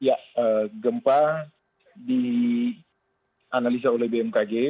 ya gempa dianalisa oleh bmkg